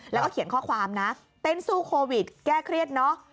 แล้วก็เขียนข้อความนะเต้นสู้โควิดแก้เครียดเนอะ